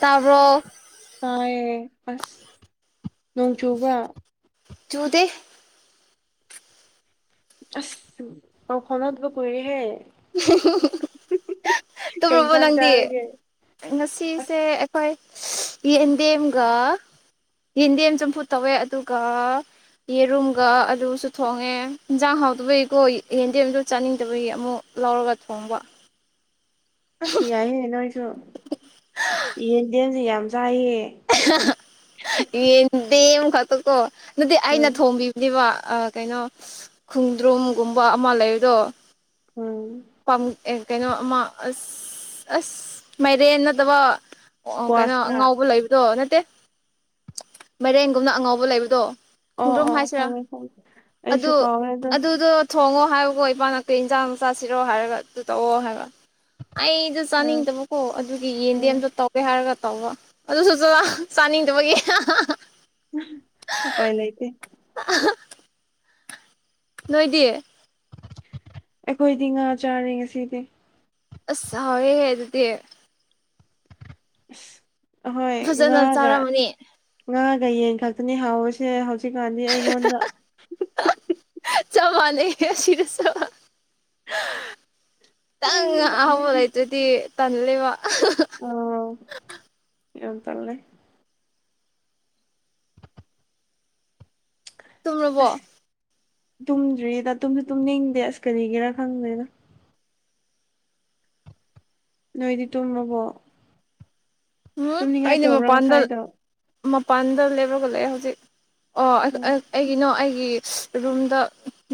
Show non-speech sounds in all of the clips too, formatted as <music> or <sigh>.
ꯇꯥꯕꯔꯣ ꯇꯥꯏ ꯑꯁ ꯅꯣꯡ ꯆꯨꯕ꯭ꯔꯥ? ꯆꯨꯗꯦ ꯑꯁ ꯎꯝ ꯄꯧ ꯐꯧꯅꯗꯕ ꯀꯨꯏꯔꯦ ꯍꯦ <unintelligible> ꯀꯩ ꯇꯨꯝꯔꯕꯣ ꯏꯟꯁꯥꯡ ꯅꯪꯗꯤ ꯆꯥꯔꯒꯦ ꯑꯁ ꯉꯁꯤꯁꯦ ꯑꯩꯈꯣꯏ ꯌꯦꯟꯗꯦꯝꯒ ꯌꯦꯟꯗꯦꯝ ꯆꯨꯝꯐꯨꯠ ꯇꯧꯋꯦ ꯑꯗꯨꯒ ꯌꯦꯔꯨꯝꯒ ꯑꯂꯨꯁꯨ ꯊꯣꯡꯉꯦ ꯍꯤꯟꯖꯥꯡ ꯍꯥꯎꯗꯕꯩꯀꯣ ꯌꯦꯟꯗꯦꯝꯗꯣ ꯆꯥꯅꯤꯡꯗꯕꯩ ꯑꯃꯨꯛ ꯂꯧꯔꯒ ꯊꯣꯡꯕ ꯑꯁ ꯌꯥꯏꯌꯦ ꯅꯣꯏꯁꯨ ꯌꯦꯟꯗꯦꯝꯁꯦ ꯌꯥꯝ ꯆꯥꯏꯌꯦ <unintelligible> ꯌꯦꯟꯗꯦꯝ ꯈꯛꯇꯀꯣ ꯅꯠꯇꯦ ꯑꯩꯅ ꯎꯝ ꯊꯣꯝꯕꯤꯕꯅꯦꯕ ꯑ ꯀꯩꯅꯣ ꯈꯣꯡꯗ꯭ꯔꯨꯝꯒꯨꯝꯕ ꯑꯃ ꯂꯩꯕꯗꯣ ꯎꯝ ꯄꯝ ꯑꯦ ꯀꯩꯅꯣ ꯑꯃ ꯑꯁ ꯑꯁ ꯃꯥꯏꯔꯦꯟ ꯅꯠꯇꯕ ꯑꯣ ꯀꯩꯅꯣ ꯏꯁꯀ꯭ꯋꯥꯁꯔ ꯑꯉꯥꯎꯕ ꯂꯩꯕꯗꯣ ꯅꯠꯇꯦ ꯃꯔꯦꯡꯒꯨꯝꯅ ꯑꯉꯥꯎꯕ ꯂꯩꯕꯗꯣ ꯑꯣ ꯈꯣꯡꯗ꯭ꯔꯨꯝ ꯑꯣ ꯍꯥꯏꯁꯤꯔꯥ ꯈꯪꯉꯦ ꯈꯪꯉꯦ ꯑꯩꯁꯨ ꯑꯗꯨ ꯀꯥꯎꯔꯦ ꯑꯗꯣ ꯑꯗꯨꯗꯣ ꯊꯣꯡꯉꯣ ꯍꯥꯏꯌꯨꯀꯣ ꯏꯄꯥꯥꯅ ꯀꯩ ꯏꯟꯖꯥꯡ ꯆꯥꯁꯤꯔꯣ ꯍꯥꯏꯔꯒ ꯑꯗꯨ ꯇꯧꯑꯣ ꯍꯥꯏꯕ ꯑꯩꯗ ꯎꯝ ꯆꯥꯅꯤꯡꯗꯕꯀꯣ ꯑꯗꯨꯒꯤ ꯎꯝ ꯌꯦꯟꯗꯦꯝꯗ ꯇꯧꯒꯦ ꯍꯥꯏꯔꯒ <unintelligible> ꯑꯗꯨꯁꯨ ꯆꯥ ꯆꯥꯅꯤꯡꯗꯕꯒꯤ <unintelligible> ꯎꯄꯥꯏ ꯂꯩꯇꯦ ꯅꯣꯏꯗꯤ ꯑꯩꯈꯣꯏꯗꯤ ꯉꯥ ꯆꯥꯔꯦ ꯉꯁꯤꯗꯤ ꯑꯁ ꯍꯥꯎꯋꯦ ꯑꯗꯨꯗꯤ ꯍꯣꯏ ꯐꯖꯅ ꯉꯥꯒ ꯆꯥꯔꯝꯃꯅꯤ ꯉꯥ ꯒꯌꯦꯡ ꯈꯛꯇꯅꯤ ꯍꯥꯎꯋꯁꯦ ꯍꯧꯖꯤꯛꯀꯥꯟꯗꯤ ꯑꯩꯉꯣꯟꯗ ꯆꯞ ꯃꯥꯅꯩ ꯑꯁꯤꯗꯁꯨ ꯈꯤꯇꯪ ꯑꯩ ꯑꯍꯥꯎꯕ ꯂꯩꯇ꯭ꯔꯗꯤ ꯇꯜꯂꯦꯕ ꯑꯣ ꯌꯥꯝ ꯇꯂꯦ ꯇꯨꯝꯔꯕꯣ ꯑꯁ ꯇꯨꯝꯗ꯭ꯔꯤꯗ ꯇꯨꯝꯁꯨ ꯇꯨꯝꯅꯤꯡꯗꯦ ꯑꯁꯀꯅꯤꯒꯤꯔꯥ ꯈꯪꯗꯦꯅ ꯅꯣꯏꯗꯤ ꯇꯨꯝꯕꯣ ꯎꯝ ꯇꯨꯝꯅꯤꯡꯉꯥꯏ ꯑꯩꯗꯤ ꯇꯧꯕ꯭ꯔꯥ ꯃꯄꯥꯟꯗ ꯉꯁꯥꯏꯗꯣ ꯃꯄꯥꯟꯗ ꯂꯩꯕꯒ ꯂꯩꯑꯦ ꯍꯧꯖꯤꯛ ꯑꯣ ꯎꯝ ꯑꯩꯒꯤꯅꯣ ꯑꯩ ꯒꯤ ꯔꯨꯝꯗ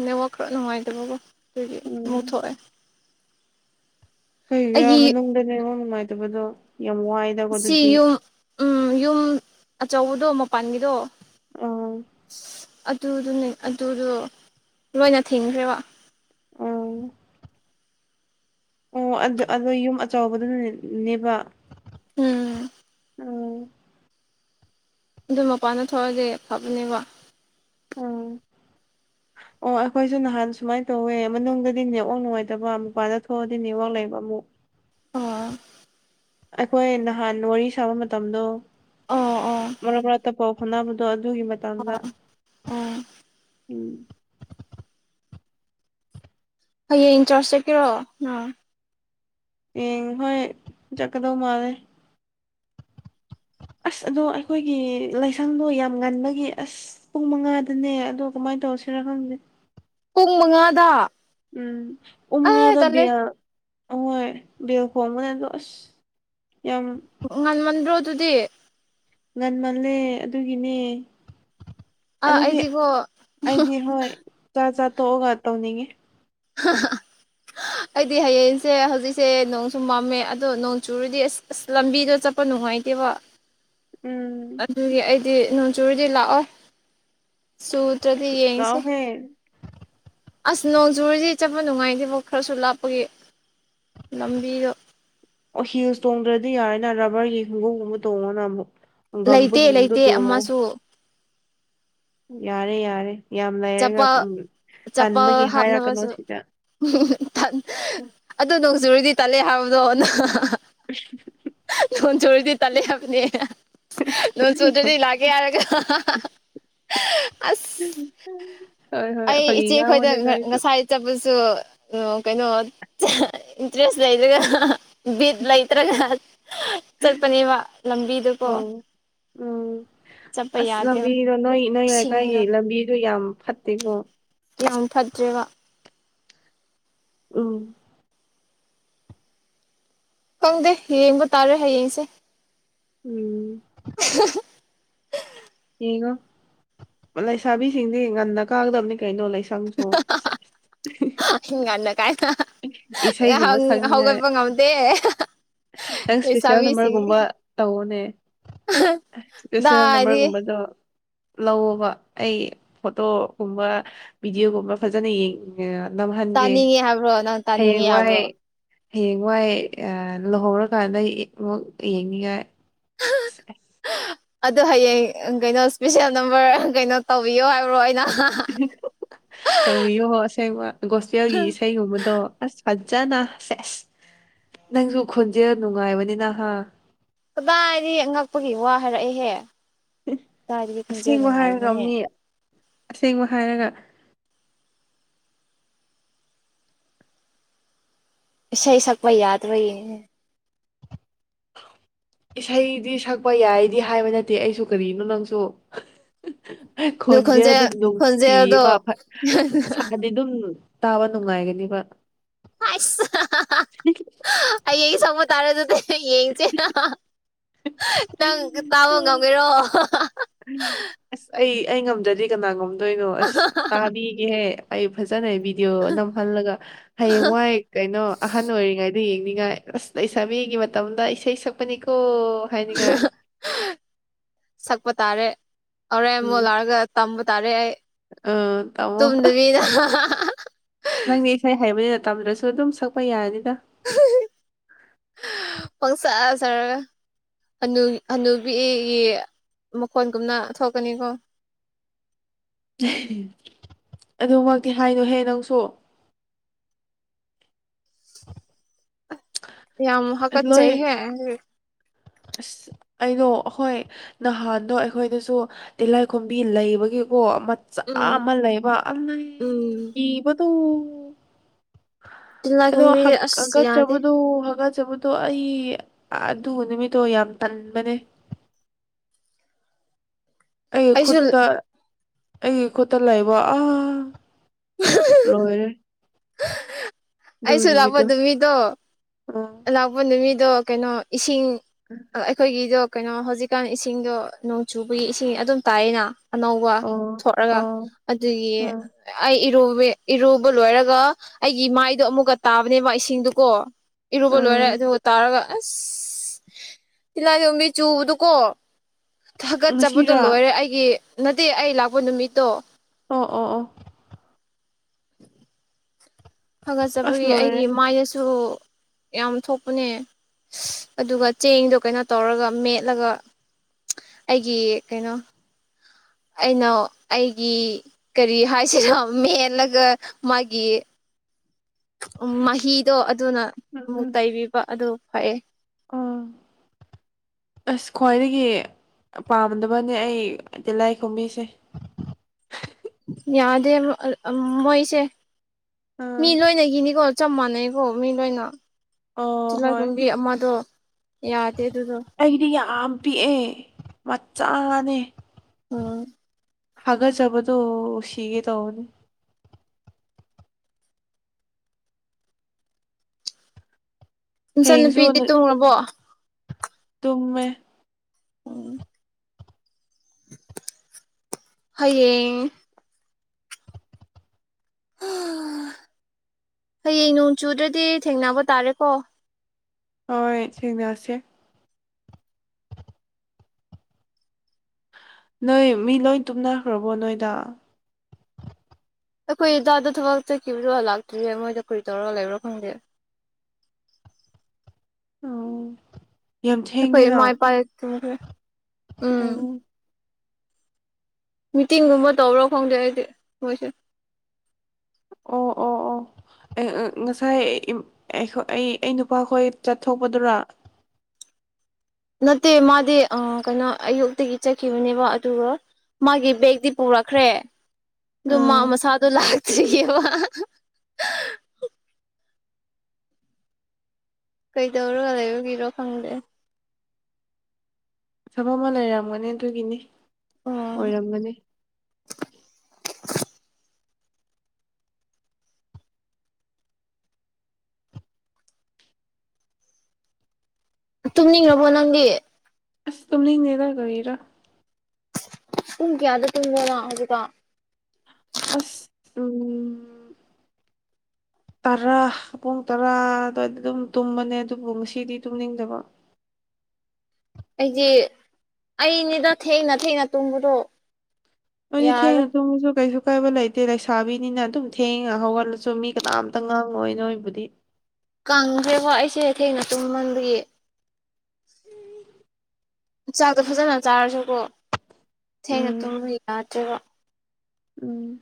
ꯅꯦꯠꯋꯥꯛ ꯈꯔ ꯅꯨꯡꯉꯥꯏꯇꯕꯀꯣ ꯑꯗꯨꯗꯤ ꯑꯃꯨꯛ ꯎꯝ ꯊꯣꯛꯑꯦ ꯀꯩꯒꯤꯔꯥ ꯑꯩꯒꯤ ꯃꯅꯨꯡꯗꯅꯦꯉꯣꯟ ꯅꯨꯡꯉꯥꯏꯇꯕꯗꯣ ꯌꯥꯝ ꯋꯥꯏꯗꯀꯣ ꯁꯤ ꯑꯗꯨꯗꯤ ꯌꯨꯝ ꯎꯝ ꯌꯨꯝ ꯑꯆꯧꯕꯗꯣ ꯃꯄꯥꯟꯒꯤꯗꯣ ꯑꯥ ꯑꯗꯨꯗꯨꯅꯦ ꯑꯗꯨꯗꯣ ꯂꯣꯏꯅ ꯊꯤꯡꯈ꯭ꯔꯦꯕ ꯑ ꯑꯣ ꯑꯗꯣ ꯌꯨꯝ ꯑꯆꯕꯗꯨꯅꯅꯦꯕ ꯎꯝ ꯑꯗꯨ ꯃꯄꯥꯟꯗ ꯊꯣꯛꯑꯗꯤ ꯐꯞꯂꯅꯦꯀꯣ ꯎꯝ ꯑꯣ ꯑꯩꯈꯣꯏꯁꯨ ꯅꯍꯥꯟ ꯁꯨꯃꯥꯏꯅ ꯇꯧꯋꯦ ꯃꯅꯨꯡꯗꯗꯤ ꯅꯦꯋꯥꯛ ꯅꯨꯡꯉꯥꯏꯇꯕ ꯃꯄꯥꯥꯟꯗ ꯊꯣꯛꯑꯗꯤ ꯅꯦꯋꯥꯛ ꯂꯩꯕ ꯃꯃꯨ ꯑꯣ ꯑꯩꯈꯣꯏ ꯅꯍꯥꯟ ꯋꯥꯔꯤ ꯁꯥꯕ ꯃꯇꯝꯗꯣ ꯑꯣ ꯑꯣ ꯃꯔꯛ ꯃꯔꯛꯇ ꯄꯥꯎ ꯍꯣꯠꯅꯕꯗꯣ ꯑꯗꯨꯒꯤ ꯃꯇꯝꯗ ꯎꯝ ꯎꯝ ꯍꯌꯦꯡ ꯏꯟꯆꯥꯥꯔꯖ ꯆꯠꯀꯔꯣ ꯑꯥ ꯍꯌꯦ ꯍꯣꯏ ꯆꯠꯀꯗꯧ ꯃꯥꯜꯂꯦ <inaudible> ꯑꯁ ꯑꯗꯣ ꯑꯩꯈꯣꯏꯒꯤ ꯂꯥꯏꯁꯪꯗꯣ ꯌꯥꯝ ꯉꯟꯕꯒꯤ ꯑꯁ ꯄꯨꯡ ꯃꯉꯥꯗꯅꯦ ꯑꯗꯣ ꯀꯃꯥꯏꯅ ꯇꯧꯁꯦ ꯔꯍꯪꯗꯦ ꯄꯨꯡ ꯃꯉꯥꯗ ꯎꯝ ꯄꯨꯡ ꯑꯦ ꯃꯉꯥꯗ ꯇꯜꯂꯦ ꯕꯦꯜ ꯑꯍꯣꯢ ꯕꯦꯜ ꯈꯣꯡꯕꯅꯦ ꯑꯗꯣ ꯑꯁ ꯌꯥꯝ ꯎ ꯉꯟꯃꯟꯗ꯭ꯔꯣ ꯑꯗꯨꯗꯤ ꯉꯟꯃꯜꯂꯦ ꯑꯗꯨꯒꯤꯅꯦ ꯑꯥ ꯑꯗꯨꯗꯤ ꯑꯩꯗꯤꯀꯣ ꯑꯩꯗꯤ ꯍꯣꯏ ꯆꯥ ꯆꯥ ꯇꯣꯛꯑꯒ ꯇꯧꯅꯤꯡꯉꯤ ꯍꯍ ꯑꯩꯗꯤ ꯍꯌꯦꯡꯁꯦ ꯍꯧꯖꯤꯛꯁꯦ ꯅꯣꯡꯁꯨ ꯃꯝꯃꯦ ꯑꯗꯣ ꯅꯣꯡ ꯆꯨꯔꯨꯗꯤ ꯑꯁ ꯑꯁ ꯂꯝꯕꯤꯗꯣ ꯆꯠꯄ ꯅꯨꯡꯉꯥꯏ ꯃꯉꯗꯤ ꯋꯥ ꯎꯝ ꯗꯤ ꯅꯣꯡꯆꯨꯔꯤꯗꯤ ꯂꯥꯛꯑꯣ ꯁꯨꯇ꯭ꯔꯗꯤ ꯌꯦꯁꯦ ꯂꯥꯛꯑꯣꯍꯦ ꯑꯁ ꯅꯣꯡꯖꯨꯔꯤꯗꯤ ꯆꯠꯄ ꯅꯨꯡꯉꯥꯏꯇꯦꯐ ꯈꯔꯁꯨ ꯂꯥꯞꯄꯒꯤ ꯂꯝꯕꯤꯗꯣ ꯑꯣ ꯍꯁ ꯇꯣꯡꯒ꯭ꯔ ꯑꯗꯨ ꯌꯥꯔꯦ ꯅ ꯔꯕꯔꯒꯤ ꯈꯨꯡꯒꯪꯝꯒꯨꯝꯕ ꯇꯣꯡꯉꯣꯅ ꯑꯃꯨꯛ ꯂꯩꯇꯦ ꯒꯝꯕꯨꯠꯒꯨꯝꯕꯗ ꯂꯩꯇꯦ ꯇꯣꯡꯉꯣ ꯑꯃꯁꯨ ꯌꯥꯔꯦ ꯌꯥꯔꯦ ꯌꯥꯝ ꯂꯩꯥꯏꯔꯦ ꯆꯄꯜ ꯆꯄꯜ ꯇꯟꯕꯒꯤ ꯍꯥꯏꯔꯀꯅꯣ ꯍꯥꯞꯅꯕꯁꯨ ꯁꯤꯗ ꯑꯗꯨ ꯅꯣꯡꯖꯨꯨꯔꯗꯤ ꯇꯜꯂꯦ ꯍꯥꯏꯕꯗꯣ <inaudible> ꯍꯨ ꯆꯔꯤꯗꯤ ꯇ ꯂꯩꯦ ꯍꯥꯅꯤ ꯅꯣꯡ ꯆꯨꯗ꯭ꯔꯗꯤ ꯂꯥꯛꯀꯦ ꯍꯥꯏꯔꯒ ꯑꯁ ꯍꯣꯏ ꯍꯣꯏ ꯑꯩ ꯐꯥꯒꯤ ꯏꯆꯦꯈꯣꯏꯗ ꯉꯥꯡꯕꯅꯦꯗ ꯑꯩ ꯉꯁꯥꯏ ꯆꯠꯄꯁꯨ ꯑꯣ ꯀꯩꯅꯣ ꯏꯟꯇꯔꯦꯁ ꯂꯩꯗꯨꯒ ꯕꯤꯠ ꯂꯩꯇ꯭ꯔꯅ ꯆꯠꯄꯅꯦꯕ ꯂꯝꯕꯤꯗꯨꯀꯣ ꯑꯣ ꯎꯝ ꯆꯠꯄ ꯑꯁ ꯌꯥꯗꯦꯕ ꯂꯝꯕꯤꯗꯣ ꯅꯣꯏ ꯅꯣꯏ ꯂꯩꯀꯥꯏꯒꯤ ꯏꯁꯤꯡꯗꯣ ꯂꯝꯕꯤꯗꯣ ꯌꯥꯝ ꯐꯠꯇꯒꯣ ꯌꯥꯝ ꯐꯠꯇ꯭ꯔꯦꯕ ꯎꯝ ꯈꯪꯗꯦ ꯌꯦꯡꯕ ꯇꯥꯔꯦ ꯍꯌꯦꯡꯁꯦ ꯎꯝ <unintelligible> ꯉꯣ ꯂꯩꯁꯥꯕꯤꯁꯤꯡꯗꯤ ꯉꯟꯅ ꯀꯥꯒꯗꯕꯅꯤ ꯀꯩꯅꯣ ꯂꯩ ꯁꯪꯖꯣ ꯉꯟꯅ ꯀꯥꯏꯅ ꯁꯛꯅꯤꯡꯉꯥꯏ ꯍꯧꯒꯠꯄ ꯉꯝꯗꯦ ꯅꯪ ꯏꯁꯄꯤꯦꯁꯦꯜ ꯂꯩꯁꯥꯕꯤꯁꯤꯡ ꯅꯝꯕꯔꯒꯨꯝꯕ ꯇꯑꯣꯅꯦ ꯏꯁꯦꯁꯦꯜ ꯗꯥꯏꯗꯤ ꯅꯝꯕꯔꯒꯨꯝꯕꯗꯣ ꯂꯧꯑꯣꯣꯕ ꯑꯩ ꯐꯣꯇꯣꯒꯨꯝꯕ ꯚꯤꯗꯤꯑꯣꯒꯨꯝꯕ ꯐꯖꯅ ꯌꯦꯡꯉ ꯇꯥꯅꯤꯡꯉꯤ ꯍꯥꯏꯕ꯭ꯔꯣ ꯅꯪ ꯇꯥꯅꯤꯡꯉꯦ ꯍꯥꯏꯕ꯭ꯔꯣ ꯍꯌꯦꯡ ꯋꯥꯏ ꯂꯨꯍꯧꯔꯀꯥꯟꯗ ꯑꯃꯨꯛ ꯌꯦꯡꯅꯤꯡꯉꯥꯏ ꯑꯦ ꯑꯗꯨꯣ ꯍꯌꯦꯡ ꯀꯩꯅꯣ ꯏꯁꯄꯤꯁꯦꯜ ꯅꯝꯕꯔ ꯀꯩꯅꯣ ꯇꯧꯕꯤꯌꯣ ꯍꯥꯏꯕ꯭ꯔꯣ ꯑꯩꯅ ꯇꯧꯕꯤꯌꯣ ꯑꯁꯦꯡꯕ ꯒꯣꯁꯇꯦꯜꯒꯤ ꯏꯁꯩꯒꯨꯝꯕꯗꯣ ꯑꯁ ꯐꯖꯅ ꯁꯦꯁ ꯅꯪꯁꯨ ꯈꯣꯟꯖꯦꯜ ꯅꯨꯡꯉꯥꯏꯕꯅꯤ ꯅꯍꯥ ꯐꯔꯛꯑꯦꯍꯦ ꯁꯦꯡꯕ ꯍꯥꯏꯔꯒ ꯃꯤ ꯑꯁꯦꯡꯕ ꯍꯥꯏꯔꯒ ꯁꯩ ꯁꯛꯄꯩ ꯌꯥꯗꯕꯏ ꯑ ꯏꯁꯩꯗꯤ ꯁꯛꯄ ꯌꯥꯏꯗꯤ ꯍꯥꯏꯕ ꯅꯠꯇꯦ ꯑꯩꯁꯨ ꯀꯔꯤꯅꯣ ꯅꯪꯁꯨ ꯑꯗꯨ ꯈꯣꯟꯁꯦ ꯈꯣꯟꯖꯦꯜ ꯑꯗꯨꯝ ꯈꯣꯟꯖꯦꯜꯗꯣ ꯅꯨꯡꯁꯤꯕ ꯁꯥꯗꯤ ꯑꯗꯨꯝ ꯇꯥꯕ ꯅꯨꯡꯉꯥꯏꯒꯅꯤꯕ ꯑꯁ ꯑꯩ ꯁꯪꯕ ꯇꯥꯔꯁꯨꯗꯤ ꯌꯦꯡꯁꯦ ꯅꯪ ꯇꯥꯕ ꯉꯝꯒꯔꯣ ꯑꯁ ꯑꯩ ꯑꯩ ꯉꯝꯗ꯭ꯔꯗꯤ ꯀꯅꯥ ꯉꯝꯗꯣꯏꯅꯣ ꯑꯁ ꯇꯥꯕꯤꯒꯦꯍꯦ ꯑꯩ ꯐꯖ ꯆꯠꯅꯩ ꯚꯤꯗꯤꯑꯣ ꯅꯝꯍꯜꯂꯒ ꯍꯌꯦꯡꯋꯥꯏ ꯀꯩꯅꯣ ꯑꯍꯟ ꯑꯣꯏꯔꯤꯉꯩꯗ ꯑꯗꯨ ꯌꯦꯡꯅꯤꯡꯉꯥꯏ ꯑꯁ ꯑꯩ ꯏꯁꯥꯕꯤꯒꯤ ꯃꯇꯝꯗ ꯏꯁꯩ ꯁꯛꯄꯅꯤꯀꯣ ꯍꯥꯏꯅꯤꯡꯉꯥꯏ ꯁꯛꯄ ꯇꯥꯔꯦ ꯑꯣꯔꯦꯟ ꯎꯝ ꯃꯣꯂꯥꯔꯒ ꯇꯝꯕ ꯇꯥꯔꯦ ꯑꯩ ꯑ ꯇꯝꯃꯣ ꯇꯗꯕꯤꯗ ꯅꯪꯗꯤ ꯏꯁꯩ ꯍꯥꯏꯕꯅꯤ ꯃꯇꯝꯗꯨ꯭ꯔꯁꯨ ꯑꯗꯨꯝ ꯁꯛꯄ ꯌꯥꯔꯅꯤꯗ ꯐꯪꯁ ꯁꯥꯔꯒ ꯑꯅꯨꯕꯤꯒꯤ ꯃꯈꯣꯟꯒꯨꯝꯅ ꯊꯣꯛꯀꯅꯤꯀꯣ <inaudible> ꯑꯗꯨꯃꯛꯇꯤ ꯍꯥꯏꯅꯣꯍꯦ ꯅꯪꯁꯨ ꯌꯥꯝ ꯃꯍꯀ ꯆ ꯂꯣꯏ ꯍ ꯑꯁ ꯑꯩꯅꯣ ꯑꯩꯈꯣꯏ ꯅꯍꯥꯟꯗꯣ ꯑꯩꯈꯣꯏꯗꯁꯨ ꯇꯤꯂꯥꯏꯈꯣꯝꯕꯤ ꯂꯩꯕꯒꯤ ꯀꯣ ꯃꯆꯥ ꯎꯝ ꯑꯃ ꯂꯩꯕ ꯑꯜꯂꯩ ꯎꯝ ꯏꯕꯗꯣ ꯑꯗꯣ ꯇꯤꯜꯂꯥꯏꯈꯨꯝꯕꯤꯁꯦ ꯍꯛ ꯑꯁ ꯍꯒ ꯌꯥꯗꯦ ꯆꯕꯗꯨ ꯍ ꯆꯕꯨꯗꯣ ꯑꯩ ꯑꯗꯨ ꯅꯨꯃꯤꯠꯇꯣ ꯌꯥꯝ ꯇꯟꯕꯅꯦ ꯑꯩ ꯑꯩꯁꯨ ꯈꯨꯠꯇ ꯑꯩꯒꯤ ꯈꯨꯠꯇ ꯂꯩꯕ ꯑꯥ ꯂꯣꯏꯔꯦ ꯑꯗꯨꯒꯤ ꯑꯩꯁꯨ ꯂꯥꯛꯄ ꯅꯨꯃꯤꯠꯇꯣ ꯅꯨꯃꯤꯗꯣ ꯑꯥ ꯂꯥꯛꯄ ꯅꯨꯃꯤꯗꯣ ꯀꯩꯅꯣ ꯏꯁꯤꯡ ꯑꯩꯈꯣꯏꯒꯤꯗꯣ ꯀꯩꯅꯣ ꯍꯧꯖꯤꯛꯀꯥꯟ ꯏꯁꯤꯡꯗꯣ ꯅꯣꯡ ꯆꯨꯕꯒꯤ ꯏꯁꯤꯡ ꯑꯗꯨꯝ ꯇꯥꯏꯌꯦꯅ ꯑꯅꯧꯕ ꯑꯣ ꯊꯂꯒ ꯑꯣ ꯑꯗꯨꯒꯤ ꯎꯝ ꯑꯩ ꯏꯔꯨ ꯏꯔꯨꯕ ꯂꯣꯏꯔꯒ ꯑꯩꯒꯤ ꯃꯥꯏꯗꯣ ꯑꯃꯨꯛꯀ ꯇꯥꯕꯅꯦꯕ ꯏꯁꯤꯡꯗꯨꯀꯣ ꯏꯔꯨꯕ ꯂꯣꯏꯔꯦ ꯎꯝ ꯑꯗꯨꯕꯨ ꯇꯥꯔꯒ ꯑꯁ ꯇꯤꯜꯂꯥꯏꯈꯣꯝꯕꯤ ꯆꯨꯕꯗꯨꯀꯣ ꯊꯥꯒꯠꯆꯠꯄꯗꯣ ꯉꯁꯤꯔꯥ ꯂꯣꯏꯔꯦ ꯑꯩꯒꯤ ꯅꯠꯇꯦ ꯑꯩ ꯂꯥꯛꯄ ꯅꯨꯃꯤꯠꯇꯣ ꯑꯣ ꯑꯣ ꯑꯣ ꯗ ꯑꯁ ꯍꯥꯒꯠꯆꯕꯒꯤ ꯂꯣꯏꯔꯦ ꯑꯩꯒꯤ ꯃꯥꯏꯗꯁꯨ ꯌꯥꯝ ꯊꯣꯛꯄꯅꯦ ꯑꯗꯨꯒꯥ ꯆꯦꯡꯗꯣ ꯀꯩꯅꯣ ꯇꯧꯔꯒ ꯃꯦꯠꯂꯒ ꯑꯩꯒꯤ ꯀꯩꯅꯣ ꯑꯩꯅ ꯑꯩꯒꯤ ꯀꯔꯤ ꯍꯥꯏꯁꯤꯔꯥ ꯃꯦꯜꯂꯒ ꯃꯥꯒꯤ ꯎ ꯃꯍꯤꯗꯣ ꯑꯗꯨꯅ ꯑꯃꯨꯛ ꯇꯩꯕꯤꯕ ꯑꯗꯨ ꯐꯩꯌꯦ ꯎ ꯑꯁ ꯈ꯭ꯋꯥꯏꯗꯒꯤ ꯄꯥꯝꯗꯕꯅꯦ ꯑꯩ ꯇꯤꯂꯥꯏ ꯈꯣꯝꯕꯤꯁꯦ ꯌꯥꯗꯦ ꯃꯣꯏꯁꯦ ꯃꯤ ꯎꯝ ꯂꯣꯏꯅꯒꯤꯅꯤꯀꯣ ꯆꯞ ꯃꯥꯟꯅꯩꯀꯣ ꯃꯤ ꯂꯣꯏꯅ ꯇꯤꯜꯂꯥꯏꯈꯨꯝꯒꯤ ꯑꯃꯗꯣ ꯆꯞ ꯑꯩꯗꯤ ꯌꯥꯝ ꯄꯤꯛꯑꯦ ꯃꯆꯥꯅꯦ ꯎꯝ ꯍꯥꯒꯠ ꯆꯕꯗꯣ ꯁꯤꯒꯦ ꯇꯧꯏ ꯍꯌꯦꯡꯁꯨ ꯏꯆꯟꯅꯨꯄꯤꯗꯤ ꯇꯨꯝꯈ꯭ꯔꯕꯣ ꯇꯨꯝꯃꯦ ꯎꯝ ꯍꯌꯦꯡ ꯍꯌꯦꯡ ꯅꯣꯡ ꯆꯨꯗ꯭ꯔꯗꯤ ꯊꯦꯡꯅꯕ ꯇꯥꯔꯦꯀꯣ ꯍꯣꯏ ꯊꯦꯡꯅꯁꯦ ꯅꯣꯏ ꯃꯤ ꯂꯣꯏ ꯇꯞꯅꯥꯈꯔꯥꯕꯣ ꯅꯣꯏꯗ ꯑꯩꯈꯣꯏ ꯗꯥꯗꯣ ꯊꯕꯛ ꯆꯠꯈꯤꯕꯗꯣ ꯂꯥꯛꯇ꯭ꯔꯤꯌꯦ ꯃꯣꯏꯗ ꯀꯔꯤ ꯇꯧꯔꯒ ꯂꯩꯕ꯭ꯔꯣ ꯈꯪꯗꯦ ꯑꯣ ꯌꯥꯝ ꯑꯩꯈꯣꯏ ꯊꯦꯡꯉꯦꯅ ꯏꯃꯥ ꯏꯄꯥ ꯇꯨꯝꯈ꯭ꯔꯦ ꯎꯝ ꯃꯤꯇꯤꯡꯒꯨꯝꯕ ꯇꯧꯕ꯭ꯔꯣ ꯈꯪꯗꯦ ꯑꯩꯗꯤ ꯃꯣꯏꯁꯦ ꯑꯣ ꯑꯣ ꯑꯣ ꯉꯁꯥꯏ ꯑꯩ ꯑꯩ ꯅꯨꯄꯥꯈꯣꯏ ꯆꯠꯊꯣꯛꯄꯗꯨꯔꯥ ꯎ ꯅꯠꯇꯦ ꯃꯥꯗꯤ ꯀꯩꯅꯣ ꯑꯌꯨꯛꯇꯒꯤ ꯆꯠꯈꯤꯕꯅꯦꯕ ꯑꯗꯨꯒ ꯃꯥꯒꯤ ꯕꯦꯛꯇꯤ ꯄꯨꯔꯛꯈ꯭ꯔꯦ ꯑꯗꯨ ꯃꯥ ꯎꯝ ꯃꯁꯥꯗꯤ ꯂꯥꯛꯇ꯭ꯔꯤꯑꯕ ꯀꯩꯗꯧꯔꯒ ꯂꯩꯕꯒꯤꯔꯣ ꯈꯪꯗꯦ ꯊꯕꯛ ꯑꯃ ꯂꯩꯔꯝꯒꯅꯤ ꯑꯗꯨꯒꯤꯅꯤ ꯑꯣ ꯑꯣꯏꯔꯝꯒꯅꯤ ꯇꯨꯝꯅꯤꯡꯉꯕꯣ ꯅꯪꯗꯤ ꯑꯁ ꯇꯨꯝꯅꯤꯡꯗꯦꯗꯥ ꯀꯔꯤꯔꯥ ꯄꯨꯡ ꯀꯥꯌꯥꯗ ꯇꯨꯝꯕꯅꯣ ꯍꯧꯖꯤꯛ ꯀꯥꯟ ꯑꯁ ꯎꯝ ꯇꯔꯥ ꯄꯨꯡ ꯇꯔꯥ ꯑꯗꯨꯋꯥꯏ ꯑꯗꯨꯝ ꯇꯨꯝꯕꯅꯦ ꯑꯗꯨꯕꯨ ꯉꯁꯤꯗꯤ ꯇꯨꯝꯅꯤꯡꯗꯕ ꯑꯩꯗꯤ ꯑꯩꯅꯤꯗ ꯊꯦꯡꯅ ꯊꯦꯡꯅ ꯇꯨꯝꯕꯗꯣ ꯅꯣꯏꯗꯤ ꯌꯥꯔ ꯊꯦꯡꯅꯥ ꯇꯨꯝꯃꯁꯨ ꯀꯩꯁꯨ ꯀꯥꯏꯗꯦꯗꯥ ꯑꯀꯥꯏꯕ ꯂꯩꯇꯦ ꯂꯩꯁꯥꯕꯤꯅꯤꯅ ꯑꯗꯨꯝ ꯊꯦꯡꯅꯥ ꯍꯧꯒꯠꯂꯁꯨ ꯃꯤ ꯀꯅꯥꯝꯇ ꯉꯥꯡꯉꯣꯏ ꯅꯣꯏꯕꯨꯗꯤ ꯀꯪꯈ꯭ꯔꯦꯕꯣ ꯑꯩꯁꯦ ꯊꯦꯡꯅ ꯇꯨꯝꯃꯟꯕꯒꯤ ꯆꯥꯛꯇꯣ ꯐꯖꯅ ꯆꯥꯔꯁꯨꯀꯣ ꯊꯦꯡꯅ ꯎꯝ ꯇꯨꯝꯕ ꯌꯥꯗ꯭ꯔꯦꯕ ꯎꯝ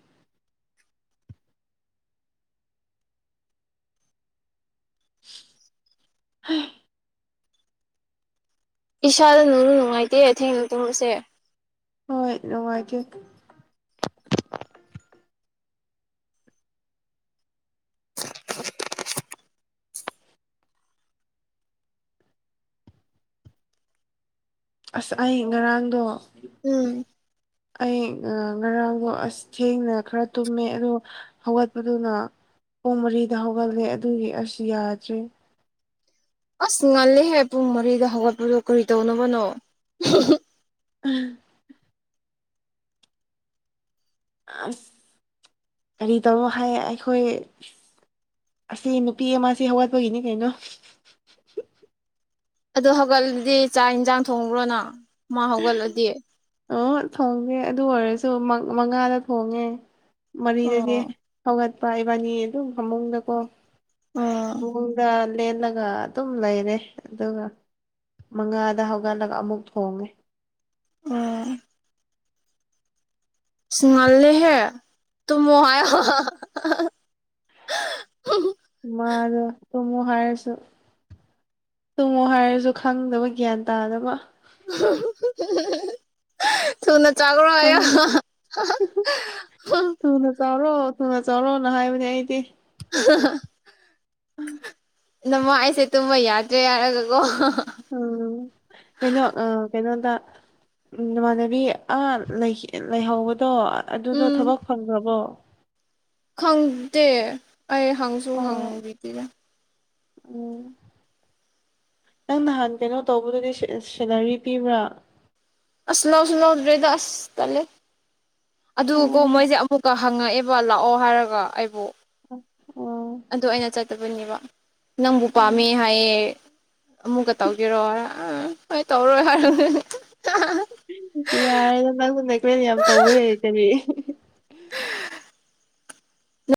<inaudible> ꯏꯁꯥꯗ ꯅꯨꯡꯖꯨ ꯅꯨꯡꯉꯥꯏꯇꯦ ꯊꯦꯡꯅ ꯇꯨꯝꯕꯁꯦ ꯍꯣꯏ ꯅꯨꯡꯉꯥꯏꯇꯦ <inaudible> ꯑꯁ ꯑꯩ ꯉꯔꯥꯡꯗꯣ ꯎꯝ ꯑꯩ ꯉꯔꯥꯡꯗꯣ ꯑꯁ ꯊꯦꯡꯅ ꯈꯔ ꯇꯨꯝꯃꯦ ꯑꯗꯣ ꯍꯧꯒꯠꯄꯗꯨꯅ ꯄꯨꯡ ꯃꯔꯤꯗ ꯍꯧꯒꯠꯂꯦ ꯑꯗꯨꯒꯤ ꯑꯁ ꯌꯥꯗ꯭ꯔꯦ ꯑꯁ ꯉꯜꯂꯤꯦꯍꯦ ꯄꯨꯡ ꯃꯔꯤꯗ ꯍꯧꯒꯠꯄꯗꯣ ꯀꯔꯤ ꯇꯧꯅꯕꯅꯣ ꯎꯝ ꯑꯁ ꯀꯔꯤ ꯇꯧꯔꯣ ꯍꯥꯏ ꯑꯩꯈꯣꯏ ꯑꯁꯤ ꯅꯨꯄꯤ ꯑꯃꯁꯤ ꯍꯧꯒꯠꯄꯒꯤꯅꯤ ꯀꯩꯅꯣ ꯑꯗꯨ ꯍꯧꯒꯠꯂꯗꯤ ꯆꯥꯛ ꯏꯟꯁꯥꯡ ꯊꯣꯡꯕ꯭ꯔꯣꯅ ꯃꯥ ꯍꯧꯒꯠꯂꯗꯤ ꯑꯣ ꯊꯣꯡꯗꯦ ꯑꯗꯨ ꯑꯣꯏꯔꯁꯨ ꯃꯉꯥꯗ ꯊꯣꯡꯉꯦ ꯃꯔꯤꯗꯗꯤ ꯑꯣ ꯍꯧꯒꯠꯄ ꯏꯕꯥꯟꯅꯤ ꯑꯗꯨꯝ ꯐꯃꯨꯡꯗꯀꯣ ꯑꯣ ꯃꯗ ꯂꯦꯜꯂꯒ ꯑꯗꯨꯝ ꯂꯩꯔꯦ ꯑꯗꯨꯒ ꯃꯉꯥꯗ ꯍꯧꯒꯠꯂꯒ ꯑꯃꯨꯛ ꯊꯣꯡꯉꯦ ꯎꯝ ꯏꯁ ꯉꯜꯂꯦ ꯍꯦ ꯑꯗꯨ ꯑꯣꯏꯔꯁꯨ ꯇꯨꯝꯃꯣ ꯍꯥꯏꯌꯣ ꯑꯁ ꯃꯥ ꯑꯗꯨ ꯇꯨꯝꯃꯣ ꯍꯥꯏꯔꯁꯨ ꯇꯨꯡꯃꯣ ꯍꯥꯏꯔꯁꯨ ꯈꯪꯗꯕ ꯒ꯭ꯌꯥꯟ ꯇꯥꯗꯕ <inaudible> ꯍꯥꯏꯌꯣ <inaudible> ꯆꯧꯔꯣ ꯊꯨꯅ ꯆꯥꯎꯔꯣꯅ ꯍꯥꯏꯕꯅꯦ ꯑꯩꯗꯤ <unintelligible> ꯅꯃ ꯑꯩꯁꯦ ꯇꯨꯝꯕ ꯌꯥꯗ꯭ꯔꯦ ꯍꯥꯏꯔꯒꯀꯣ ꯎꯝ ꯀꯩꯅꯣ ꯑ ꯀꯩꯅꯣꯗ ꯅꯃꯥꯟꯅꯕꯤ ꯑꯃ ꯂꯩꯍꯧꯕ ꯇꯣ ꯑꯗꯨꯗꯣ ꯎꯝ ꯊꯕꯛ ꯐꯪ ꯈꯔꯕꯣ ꯈꯪꯗꯦ ꯑꯩ ꯍꯪꯁꯨ ꯍꯪꯕꯤꯗꯦ ꯑꯣ ꯅꯪ ꯅꯍꯥꯟ ꯀꯩꯅꯣ ꯇꯧꯕꯗꯨꯗꯤ ꯁꯦꯂꯔꯤ ꯄꯤꯕ꯭ꯔꯥ ꯑꯁ ꯂꯧꯁꯨ ꯂꯧꯗ꯭ꯔꯤꯗ ꯇꯜꯂꯦ ꯑꯗꯨ ꯀꯣ ꯑꯣ ꯃꯣꯏꯁꯦ ꯑꯃꯨꯛꯀ ꯍꯪꯉꯛꯑꯦꯕ ꯂꯥꯛꯑꯣ ꯍꯥꯏꯔꯒ ꯑꯩꯕꯨ ꯑꯣ ꯑꯗꯨ ꯑꯩꯅ ꯆꯠꯇꯕꯅꯦꯕ ꯅꯪꯕꯨ ꯎꯝ ꯄꯥꯝꯃꯦ ꯍꯥꯏꯌꯦ ꯑꯃꯨꯛꯀ ꯇꯧꯒꯦꯔꯣ ꯑ ꯍꯣꯏ ꯇꯧꯔꯣꯏ ꯍꯥꯏꯔ ꯌꯥꯔꯦꯗ ꯅꯪꯕꯨ ꯅꯦꯛꯀ꯭ꯂꯦꯁ ꯌꯥꯝ ꯇꯧꯋꯦ ꯀꯔꯤ